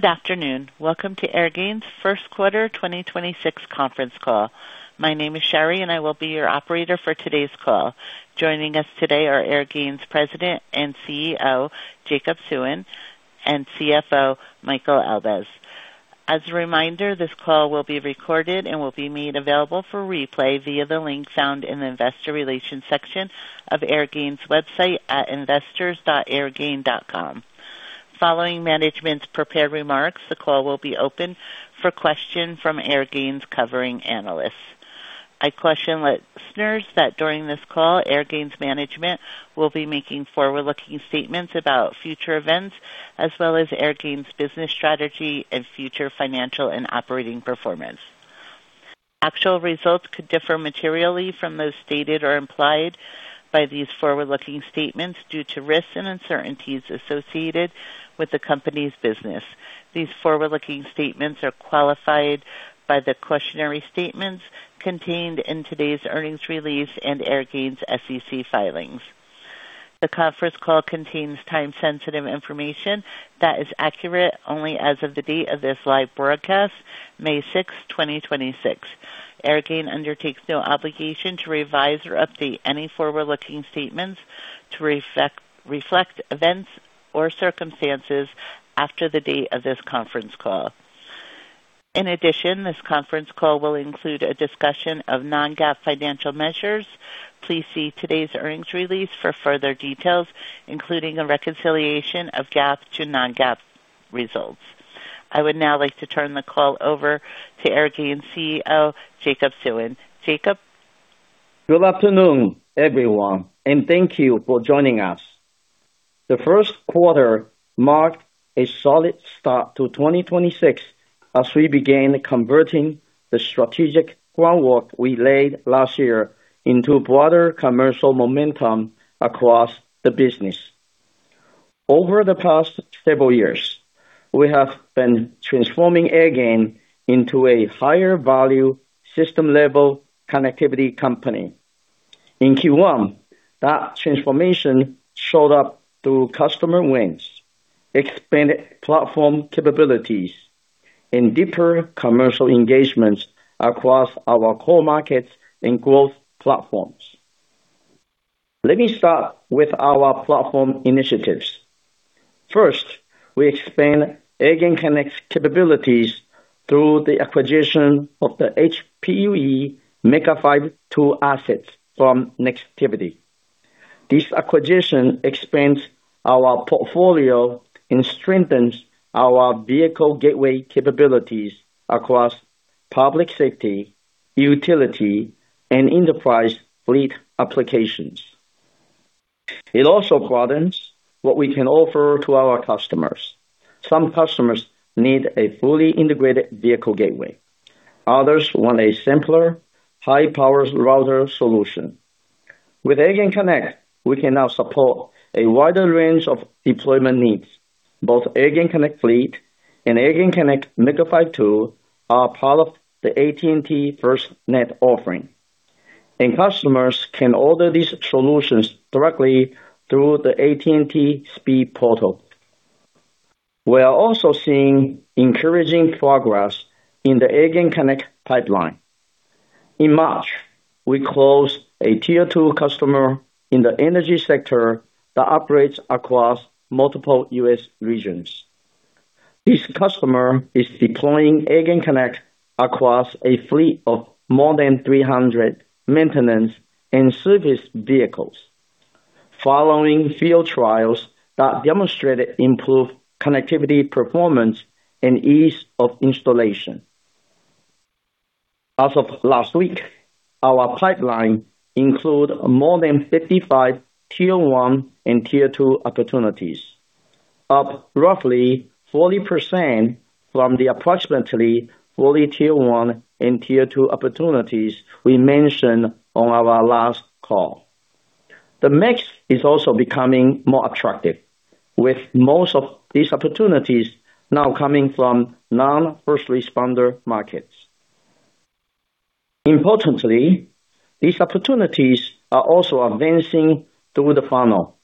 Good afternoon. Welcome to Airgain's first quarter 2026 conference call. My name is Sherry, and I will be your operator for today's call. Joining us today are Airgain's President and CEO, Jacob Suen, and CFO, Michael Elbaz. As a reminder, this call will be recorded and will be made available for replay via the link found in the investor relations section of Airgain's website at investors.airgain.com. Following management's prepared remarks, the call will be open for questions from Airgain's covering analysts. I caution listeners that during this call, Airgain's management will be making forward-looking statements about future events, as well as Airgain's business strategy and future financial and operating performance. Actual results could differ materially from those stated or implied by these forward-looking statements due to risks and uncertainties associated with the company's business. These forward-looking statements are qualified by the cautionary statements contained in today's earnings release and Airgain's SEC filings. The conference call contains time-sensitive information that is accurate only as of the date of this live broadcast, 6th May 2026. Airgain undertakes no obligation to revise or update any forward-looking statements to reflect events or circumstances after the date of this conference call. In addition, this conference call will include a discussion of non-GAAP financial measures. Please see today's earnings release for further details, including a reconciliation of GAAP to non-GAAP results. I would now like to turn the call over to Airgain CEO, Jacob Suen. Jacob. Good afternoon, everyone, and thank you for joining us. The first quarter marked a solid start to 2026 as we began converting the strategic groundwork we laid last year into broader commercial momentum across the business. Over the past several years, we have been transforming Airgain into a higher value system-level connectivity company. In Q1, that transformation showed up through customer wins, expanded platform capabilities, and deeper commercial engagements across our core markets and growth platforms. Let me start with our platform initiatives. First, we expand Airgain Connect capabilities through the acquisition of the HPUE MegaFi 2 assets from Nextivity. This acquisition expands our portfolio and strengthens our vehicle gateway capabilities across public safety, utility, and enterprise fleet applications. It also broadens what we can offer to our customers. Some customers need a fully integrated vehicle gateway. Others want a simpler high-power router solution. With Airgain Connect, we can now support a wider range of deployment needs. Both AirgainConnect Fleet and AirgainConnect MegaFi 2 are part of the AT&T FirstNet offering, and customers can order these solutions directly through the AT&T SPID portal. We are also seeing encouraging progress in the Airgain Connect pipeline. In March, we closed a tier two customer in the energy sector that operates across multiple U.S. regions. This customer is deploying Airgain Connect across a fleet of more than 300 maintenance and service vehicles following field trials that demonstrated improved connectivity, performance, and ease of installation. As of last week, our pipeline include more than 55 tier one and tier two opportunities, up roughly 40% from the approximately 40 tier one and tier two opportunities we mentioned on our last call. The mix is also becoming more attractive, with most of these opportunities now coming from non-first responder markets. Importantly, these opportunities are also advancing through the funnel.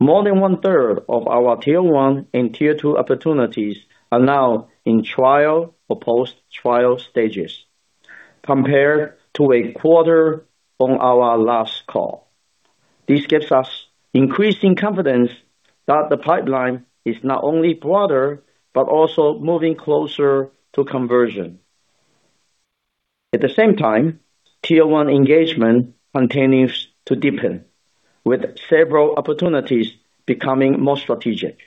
More than one-third of our tier one and tier two opportunities are now in trial or post-trial stages compared to a quarter on our last call. This gives us increasing confidence that the pipeline is not only broader but also moving closer to conversion. At the same time, tier one engagement continues to deepen, with several opportunities becoming more strategic.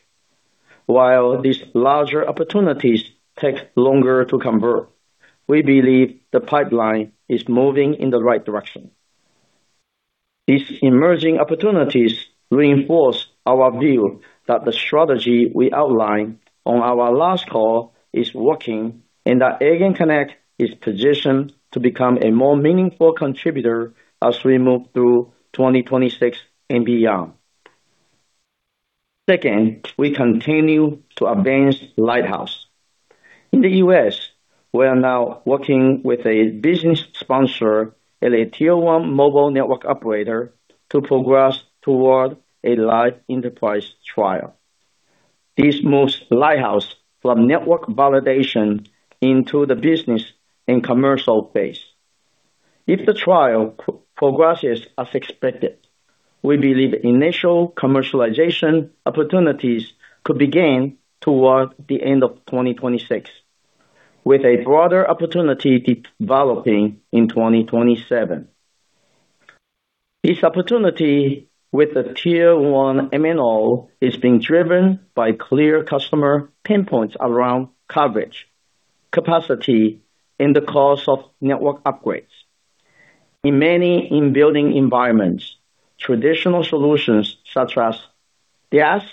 While these larger opportunities take longer to convert, we believe the pipeline is moving in the right direction. These emerging opportunities reinforce our view that the strategy we outlined on our last call is working and that Airgain Connect is positioned to become a more meaningful contributor as we move through 2026 and beyond. Second, we continue to advance Lighthouse. In the U.S., we are now working with a business sponsor and a tier one Mobile Network Operator to progress toward a live enterprise trial. This moves Lighthouse from network validation into the business and commercial base. If the trial progresses as expected, we believe initial commercialization opportunities could begin toward the end of 2026, with a broader opportunity developing in 2027. This opportunity with the tier one MNO is being driven by clear customer pain points around coverage, capacity, and the cost of network upgrades. In many in-building environments, traditional solutions such as DAS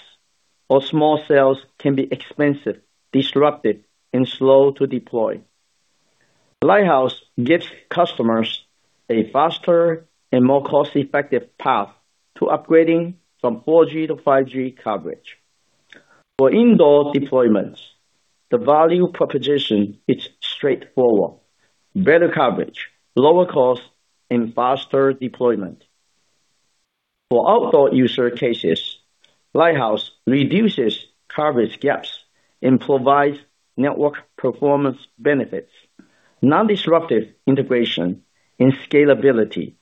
or small cells can be expensive, disruptive, and slow to deploy. Lighthouse gives customers a faster and more cost-effective path to upgrading from 4G-5G coverage. For indoor deployments, the value proposition is straightforward: better coverage, lower cost, and faster deployment. For outdoor user cases, Lighthouse reduces coverage gaps and provides network performance benefits, non-disruptive integration, and scalability.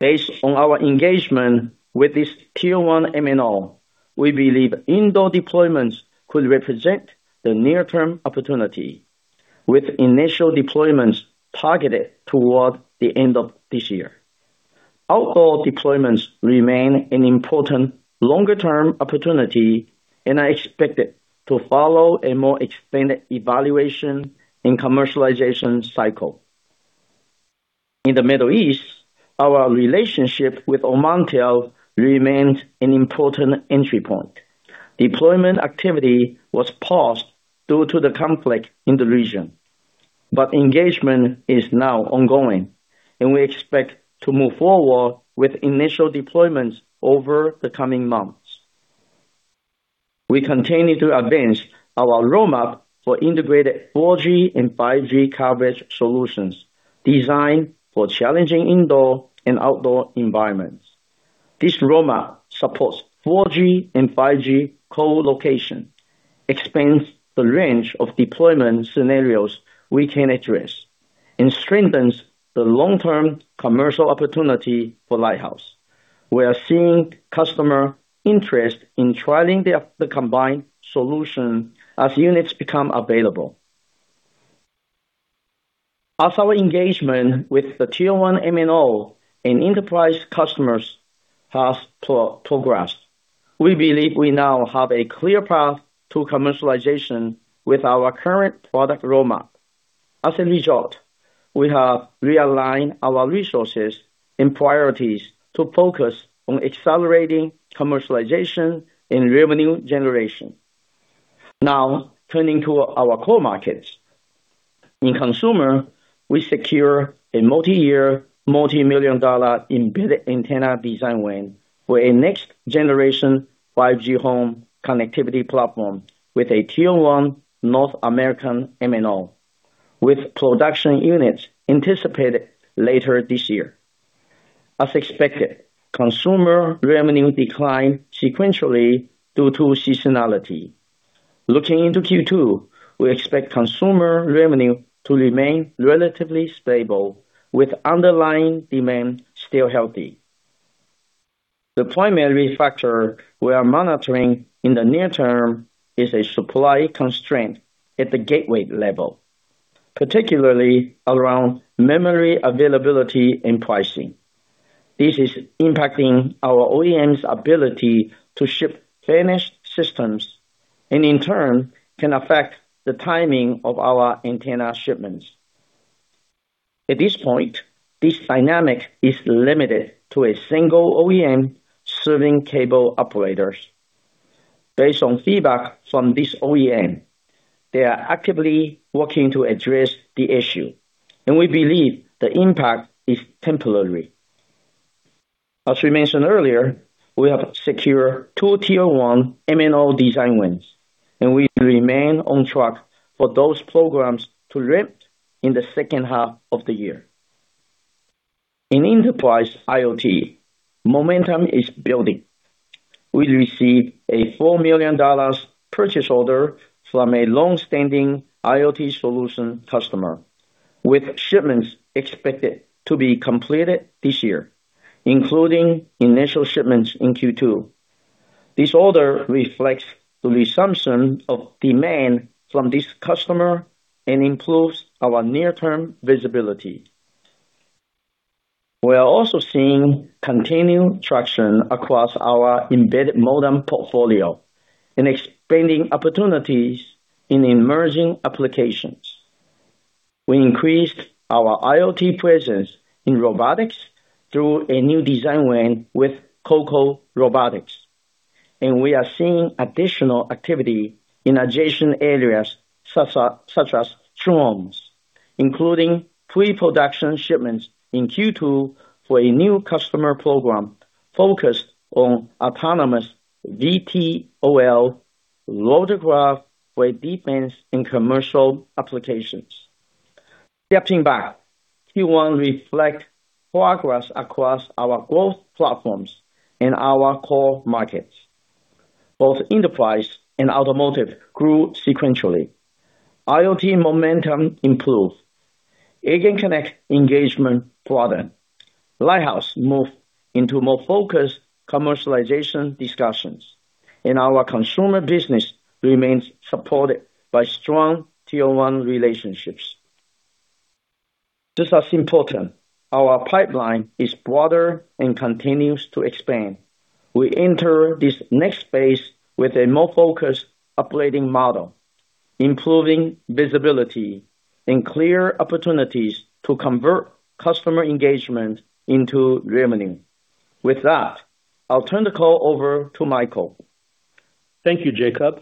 Based on our engagement with this tier one MNO, we believe indoor deployments could represent the near-term opportunity, with initial deployments targeted toward the end of this year. Outdoor deployments remain an important longer-term opportunity and are expected to follow a more expanded evaluation and commercialization cycle. In the Middle East, our relationship with Omantel remains an important entry point. Deployment activity was paused due to the conflict in the region, but engagement is now ongoing, and we expect to move forward with initial deployments over the coming months. We continue to advance our roadmap for integrated 4G and 5G coverage solutions designed for challenging indoor and outdoor environments. This roadmap supports 4G and 5G co-location, expands the range of deployment scenarios we can address, and strengthens the long-term commercial opportunity for Lighthouse. We are seeing customer interest in trialing the combined solution as units become available. As our engagement with the tier one MNO and enterprise customers has progressed, we believe we now have a clear path to commercialization with our current product roadmap. As a result, we have realigned our resources and priorities to focus on accelerating commercialization and revenue generation. Turning to our core markets. In consumer, we secure a multi-year, multi-million dollar embedded antenna design win for a next generation 5G home connectivity platform with a tier one North American MNO, with production units anticipated later this year. As expected, consumer revenue declined sequentially due to seasonality. Looking into Q2, we expect consumer revenue to remain relatively stable, with underlying demand still healthy. The primary factor we are monitoring in the near term is a supply constraint at the gateway level, particularly around memory availability and pricing. This is impacting our OEM's ability to ship finished systems and, in turn, can affect the timing of our antenna shipments. At this point, this dynamic is limited to a single OEM serving cable operators. Based on feedback from this OEM, they are actively working to address the issue, and we believe the impact is temporary. As we mentioned earlier, we have secured two tier one MNO design wins, and we remain on track for those programs to ramp in the second half of the year. In enterprise IoT, momentum is building. We received a $4 million purchase order from a long-standing IoT solution customer, with shipments expected to be completed this year, including initial shipments in Q2. This order reflects the resumption of demand from this customer and improves our near-term visibility. We are also seeing continued traction across our embedded modem portfolio and expanding opportunities in emerging applications. We increased our IoT presence in robotics through a new design win with Coco Robotics, and we are seeing additional activity in adjacent areas such as drones. Including pre-production shipments in Q2 for a new customer program focused on autonomous VTOL rotorcraft for defense and commercial applications. Stepping back, Q1 reflect progress across our growth platforms in our core markets. Both enterprise and automotive grew sequentially. IoT momentum improved. Airgain Connect engagement broadened. Lighthouse moved into more focused commercialization discussions. Our consumer business remains supported by strong tier one relationships. Just as important, our pipeline is broader and continues to expand. We enter this next phase with a more focused operating model, improving visibility and clear opportunities to convert customer engagement into revenue. With that, I'll turn the call over to Michael. Thank you, Jacob.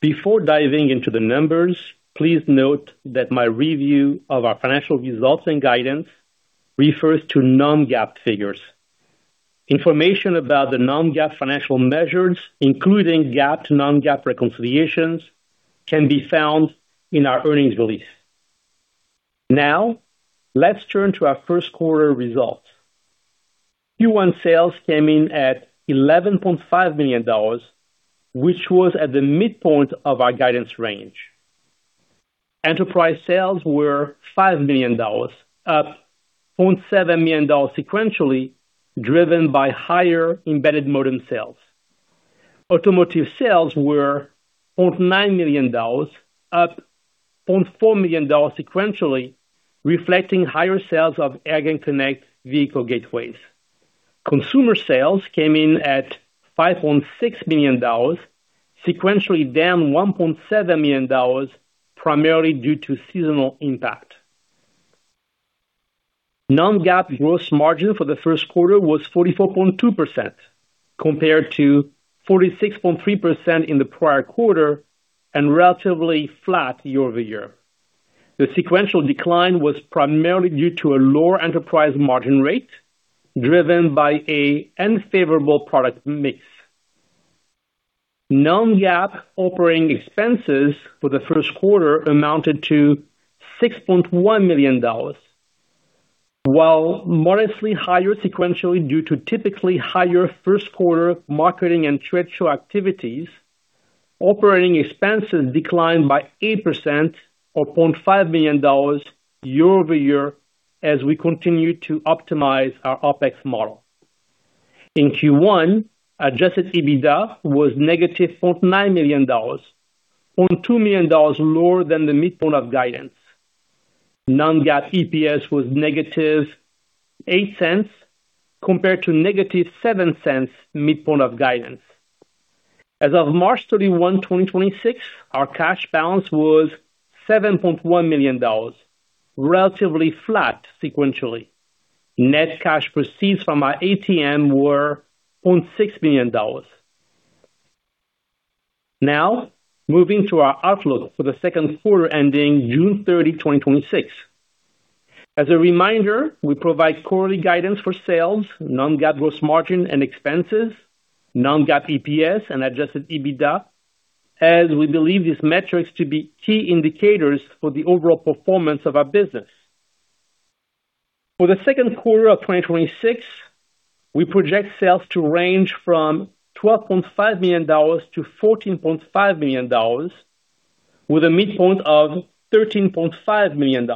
Before diving into the numbers, please note that my review of our financial results and guidance refers to non-GAAP figures. Information about the non-GAAP financial measures, including GAAP to non-GAAP reconciliations, can be found in our earnings release. Let's turn to our first quarter results. Q1 sales came in at $11.5 million, which was at the midpoint of our guidance range. Enterprise sales were $5 million, up $0.7 million sequentially, driven by higher embedded modem sales. Automotive sales were $0.9 million, up $0.4 million sequentially, reflecting higher sales of Airgain Connect vehicle gateways. Consumer sales came in at $5.6 million, sequentially down $1.7 million, primarily due to seasonal impact. Non-GAAP gross margin for the first quarter was 44.2%, compared to 46.3% in the prior quarter and relatively flat year-over-year. The sequential decline was primarily due to an unfavorable product mix. Non-GAAP operating expenses for the first quarter amounted to $6.1 million. While modestly higher sequentially due to typically higher first quarter marketing and trade show activities, operating expenses declined by 8% or $0.5 million year-over-year as we continue to optimize our OPEX model. In Q1, adjusted EBITDA was negative $0.9 million, $0.2 million lower than the midpoint of guidance. Non-GAAP EPS was negative $0.08 compared to negative $0.07 midpoint of guidance. As of 31st March 2026, our cash balance was $7.1 million, relatively flat sequentially. Net cash proceeds from our ATM were $0.6 million. Moving to our outlook for the second quarter ending 30th June 2026. As a reminder, we provide quarterly guidance for sales, non-GAAP gross margin and expenses, non-GAAP EPS and adjusted EBITDA, as we believe these metrics to be key indicators for the overall performance of our business. For the second quarter of 2026, we project sales to range from $12.5 million-$14.5 million, with a midpoint of $13.5 million.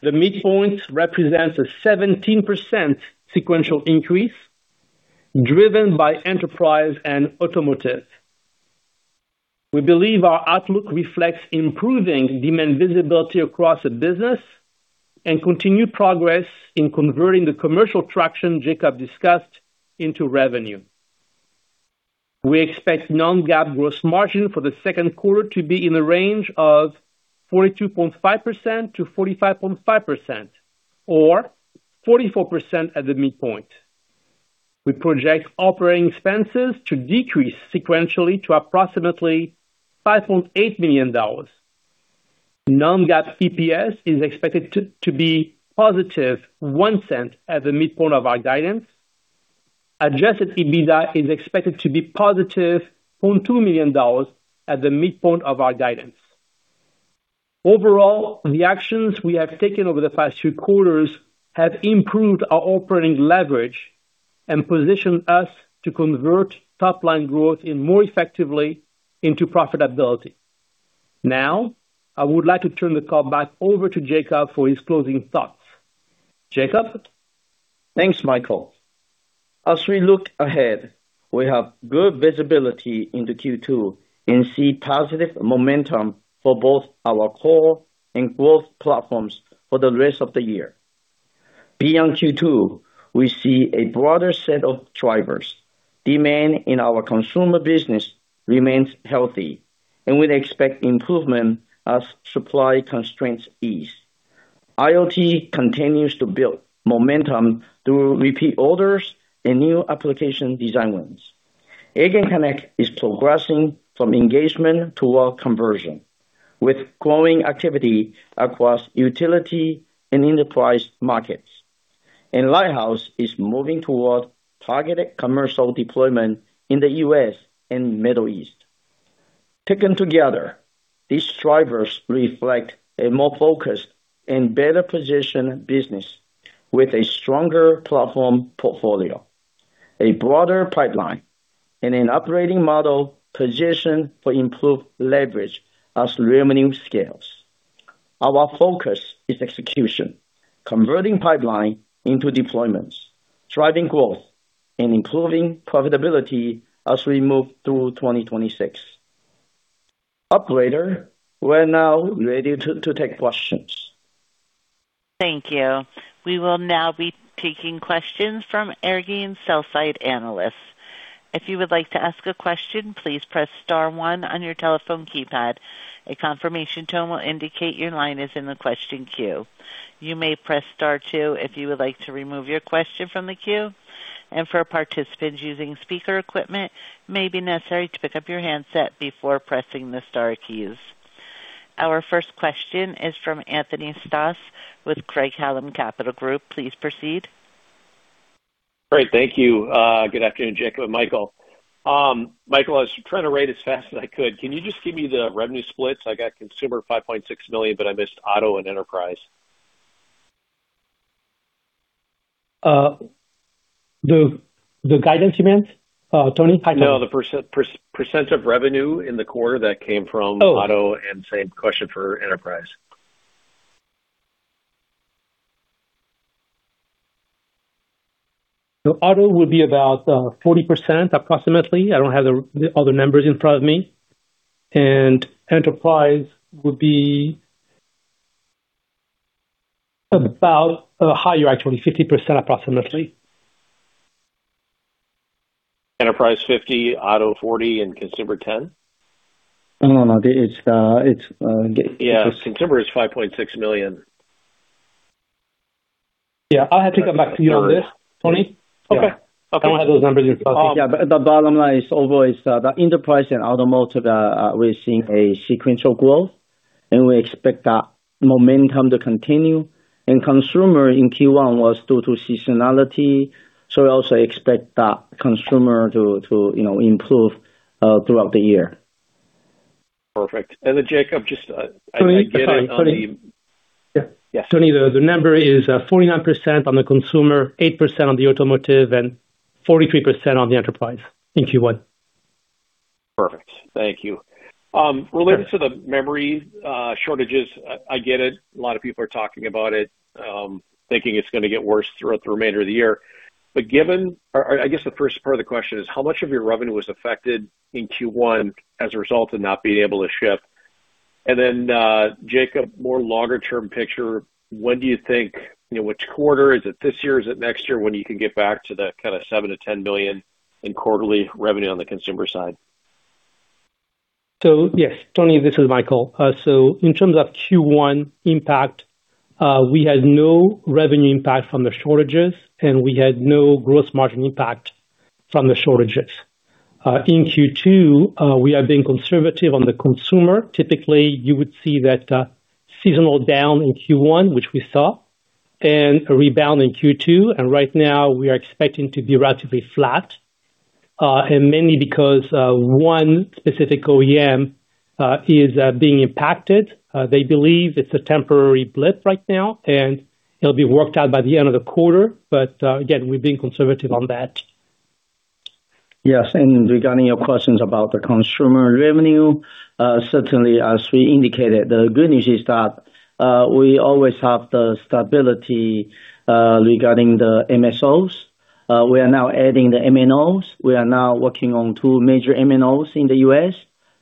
The midpoint represents a 17% sequential increase driven by enterprise and automotive. We believe our outlook reflects improving demand visibility across the business and continued progress in converting the commercial traction Jacob discussed into revenue. We expect non-GAAP gross margin for the second quarter to be in the range of 42.5%-45.5% or 44% at the midpoint. We project operating expenses to decrease sequentially to approximately $5.8 million. Non-GAAP EPS is expected to be positive $0.01 at the midpoint of our guidance. Adjusted EBITDA is expected to be positive $0.2 million at the midpoint of our guidance. Overall, the actions we have taken over the past two quarters have improved our operating leverage and positioned us to convert top-line growth in more effectively into profitability. Now, I would like to turn the call back over to Jacob for his closing thoughts. Jacob? Thanks, Michael. As we look ahead, we have good visibility into Q2 and see positive momentum for both our core and growth platforms for the rest of the year. Beyond Q2, we see a broader set of drivers. Demand in our consumer business remains healthy, and we expect improvement as supply constraints ease. IoT continues to build momentum through repeat orders and new application design wins. Airgain Connect is progressing from engagement toward conversion, with growing activity across utility and enterprise markets. Lighthouse is moving toward targeted commercial deployment in the U.S. and Middle East. Taken together, these drivers reflect a more focused and better positioned business with a stronger platform portfolio, a broader pipeline, and an operating model positioned for improved leverage as revenue scales. Our focus is execution, converting pipeline into deployments, driving growth and improving profitability as we move through 2026. Operator, we're now ready to take questions. Thank you. We will now be taking questions from Airgain sell-side analysts. If you would like to ask a question, please press star one on your telephone keypad. A confirmation tone will indicate your line is in the question queue. You may press star two if you would like to remove your question from the queue. For participants using speaker equipment, it may be necessary to pick up your handset before pressing the star keys. Our first question is from Anthony Stoss with Craig-Hallum Capital Group. Please proceed. Great. Thank you. Good afternoon, Jacob and Michael. Michael, I was trying to write as fast as I could. Can you just give me the revenue splits? I got consumer $5.6 million, but I missed auto and enterprise. The guidance you meant, Tony? No, the % of revenue in the quarter that came from auto, and same question for enterprise. auto will be about, 40% approximately. I don't have the other numbers in front of me. enterprise would be about, higher actually, 50% approximately. Enterprise 50, auto 40, and consumer 10? No, no. It's. Yeah, consumer is $5.6 million. Yeah, I'll have to come back to you on this, Tony. Okay. Okay. I don't have those numbers in front of me. Yeah, the bottom line is always, the enterprise and automotive that, we're seeing a sequential growth, and we expect that momentum to continue. Consumer in Q1 was due to seasonality, we also expect that consumer to, you know, improve, throughout the year. Perfect. Jacob, just, I get it. Anthony. Yeah. Tony, the number is, 49% on the consumer, 8% on the automotive and 43% on the enterprise in Q1. Perfect. Thank you. Related to the memory shortages, I get it. A lot of people are talking about it, thinking it's gonna get worse throughout the remainder of the year. Or I guess the first part of the question is how much of your revenue was affected in Q1 as a result of not being able to ship? Then, Jacob, more longer term picture, when do you think, you know, which quarter? Is it this year? Is it next year when you can get back to that kinda $7 million-$10 million in quarterly revenue on the consumer side? Yes. Tony, this is Michael. In terms of Q1 impact, we had no revenue impact from the shortages, and we had no gross margin impact from the shortages. In Q2, we are being conservative on the consumer. Typically, you would see that seasonal down in Q1, which we saw, and a rebound in Q2. Right now we are expecting to be relatively flat, and mainly because one specific OEM is being impacted. They believe it's a temporary blip right now, and it'll be worked out by the end of the quarter. Again, we're being conservative on that. Yes. Regarding your questions about the consumer revenue, certainly as we indicated, the good news is that we always have the stability regarding the MSOs. We are now adding the MNOs. We are now working on two major MNOs in the U.S.,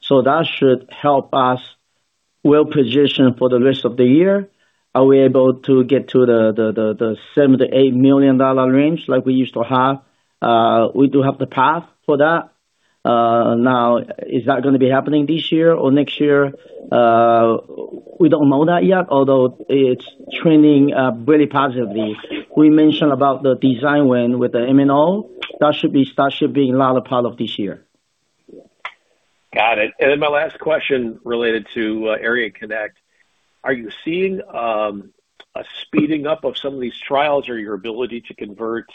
so that should help us well-positioned for the rest of the year. Are we able to get to the $7 million-$8 million range like we used to have? We do have the path for that. Now is that gonna be happening this year or next year? We don't know that yet, although it's trending very positively. We mentioned about the design win with the MNO. That should be another part of this year. Got it. My last question related to Airgain Connect. Are you seeing a speeding up of some of these trials or your ability to convert?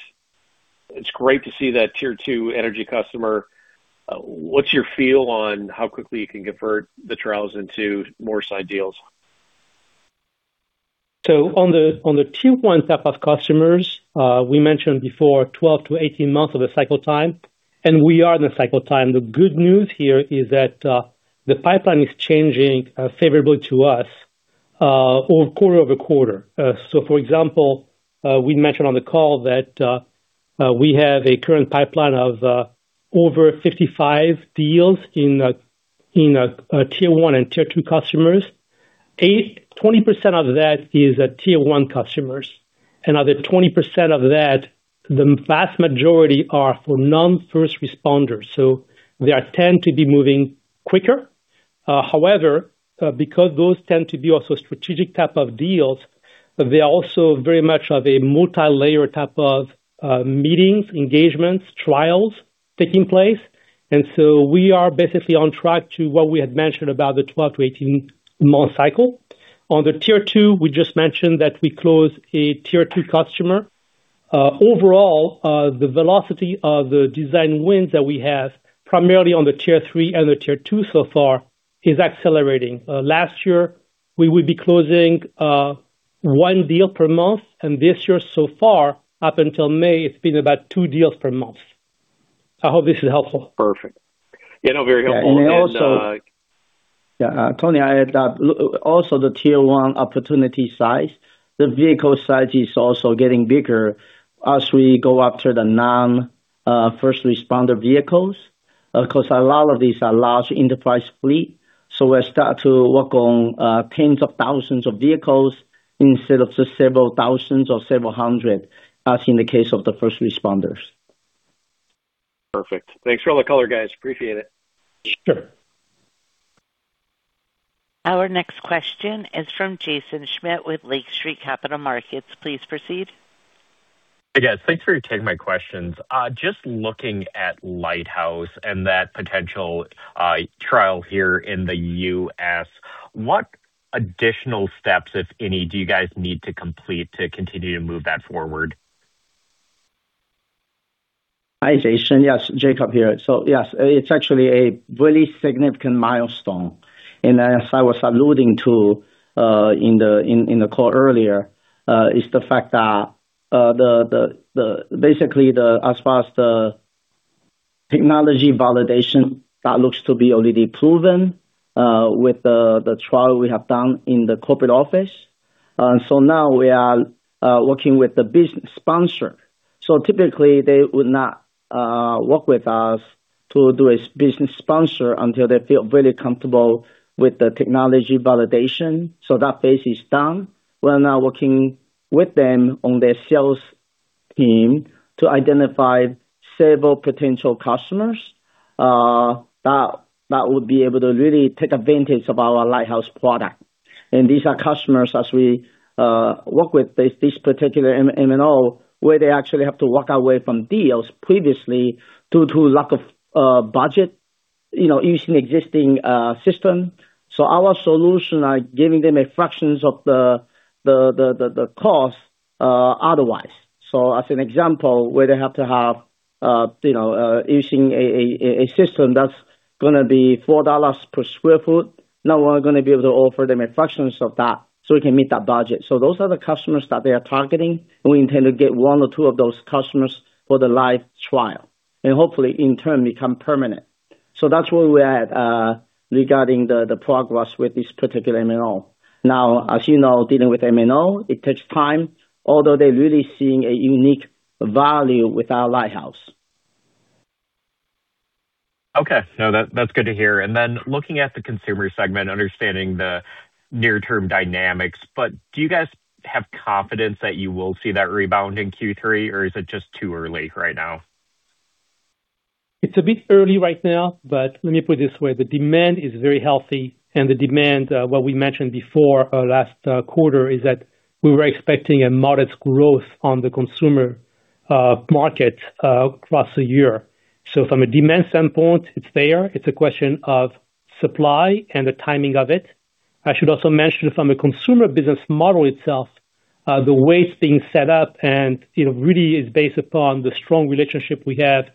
It's great to see that tier two energy customer. What's your feel on how quickly you can convert the trials into more side deals? On the, on the tier one type of customers, we mentioned before 12-18 months of a cycle time, and we are in the cycle time. The good news here is that the pipeline is changing favorably to us, or quarter-over-quarter. For example, we mentioned on the call that we have a current pipeline of over 55 deals in a, in a tier one and tier two customers. At 20% of that is tier one customers. Out of the 20% of that, the vast majority are for non-first responders. They are tend to be moving quicker. However, because those tend to be also strategic type of deals, they also very much have a multi-layered type of meetings, engagements, trials taking place. We are basically on track to what we had mentioned about the 12-18 month cycle. On the tier two, we just mentioned that we closed a tier two customer. Overall, the velocity of the design wins that we have primarily on the tier three and the tier two so far is accelerating. Last year, we would be closing one deal per month, this year so far, up until May, it's been about two deals per month. I hope this is helpful. Perfect. You know, very helpful. Yeah, Tony, I add up, also the tier one opportunity size. The vehicle size is also getting bigger as we go after the non-first responder vehicles. 'Cause a lot of these are large enterprise fleet, so we start to work on 10,000s of vehicles instead of just several 1,000s or several 100s, as in the case of the first responders. Perfect. Thanks for all the color, guys. Appreciate it. Sure. Our next question is from Jaeson Schmidt with Lake Street Capital Markets. Please proceed. Hey, guys. Thanks for taking my questions. Just looking at Lighthouse and that potential trial here in the U.S. What additional steps, if any, do you guys need to complete to continue to move that forward? Hi, Jaeson. Yes, Jacob here. Yes, it's actually a really significant milestone. As I was alluding to in the call earlier, is the fact that basically as far as the technology validation, that looks to be already proven with the trial we have done in the corporate office. Now we are working with the business sponsor. Typically they would not work with us to do a business sponsor until they feel really comfortable with the technology validation. That phase is done. We're now working with them on their sales team to identify several potential customers that would be able to really take advantage of our Lighthouse product. These are customers as we work with this particular MNO, where they actually have to walk away from deals previously due to lack of budget, you know, using existing system. Our solution is giving them a fraction of the cost otherwise. As an example, where they have to have, you know, using a system that's gonna be $4 per sq ft, now we're gonna be able to offer them a fraction of that so we can meet that budget. Those are the customers that they are targeting, and we intend to get one or two of those customers for the live trial, and hopefully in turn become permanent. That's where we're at regarding the progress with this particular MNO. Now, as you know, dealing with MNO, it takes time, although they're really seeing a unique value with our Lighthouse. Okay. No, that's good to hear. Looking at the consumer segment, understanding the near term dynamics, but do you guys have confidence that you will see that rebound in Q3, or is it just too early right now? It's a bit early right now, but let me put it this way, the demand is very healthy, and the demand, what we mentioned before, last quarter, is that we were expecting a modest growth on the consumer market across the year. From a demand standpoint, it's there. It's a question of supply and the timing of it. I should also mention from a consumer business model itself, the way it's being set up and, you know, really is based upon the strong relationship we have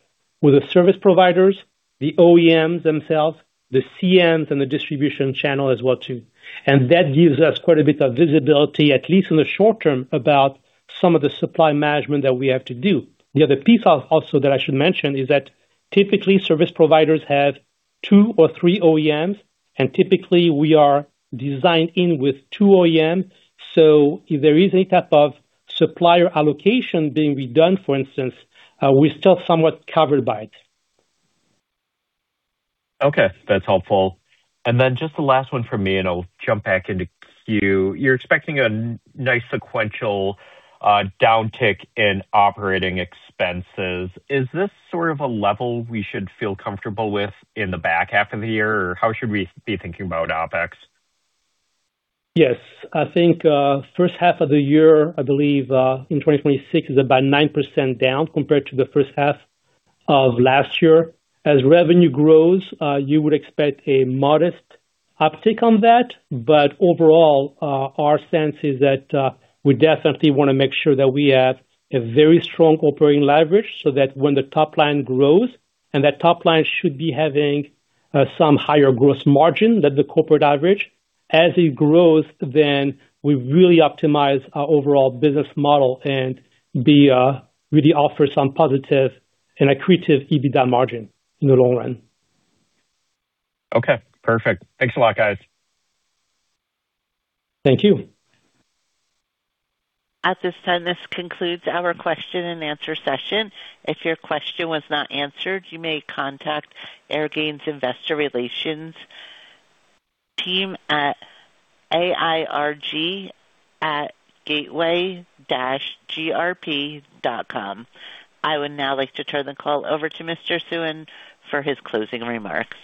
with the service providers, the OEMs themselves, the CMs and the distribution channel as well too. That gives us quite a bit of visibility, at least in the short term, about some of the supply management that we have to do. The other piece also that I should mention is that typically, service providers have 2 or 3 OEMs, and typically we are designed in with two OEMs. If there is any type of supplier allocation being redone, for instance, we're still somewhat covered by it. Okay. That's helpful. Just the last one from me, and I'll jump back into queue. You're expecting a nice sequential downtick in operating expenses. Is this sort of a level we should feel comfortable with in the back half of the year? How should we be thinking about OpEx? Yes. I think, first half of the year, I believe, in 2026 is about 9% down compared to the first half of last year. As revenue grows, you would expect a modest uptick on that. Overall, our sense is that we definitely want to make sure that we have a very strong operating leverage so that when the top line grows, and that top line should be having some higher gross margin than the corporate average. As it grows, we really optimize our overall business model and be, really offer some positive and accretive EBITDA margin in the long run. Okay. Perfect. Thanks a lot, guys. Thank you. At this time, this concludes our question and answer session. If your question was not answered, you may contact Airgain's investor relations team at AIRG@gateway-grp.com. I would now like to turn the call over to Mr. Suen for his closing remarks.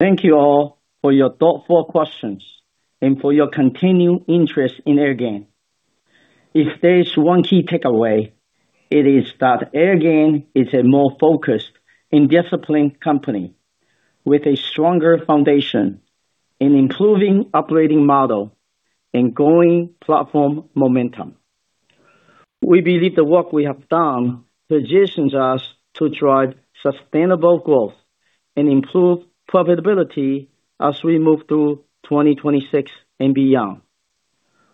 Thank you all for your thoughtful questions and for your continued interest in Airgain. If there is one key takeaway, it is that Airgain is a more focused and disciplined company with a stronger foundation and improving operating model and growing platform momentum. We believe the work we have done positions us to drive sustainable growth and improve profitability as we move through 2026 and beyond.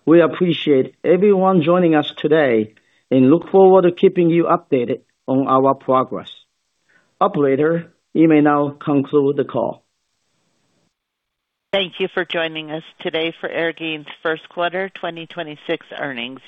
We appreciate everyone joining us today and look forward to keeping you updated on our progress. Operator, you may now conclude the call. Thank you for joining us today for Airgain's first quarter 2026 earnings.